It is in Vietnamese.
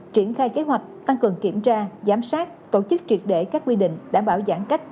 triển khai kế hoạch tăng cường kiểm tra giám sát tổ chức triệt để các quy định đảm bảo giãn cách